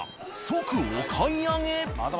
即お買い上げ。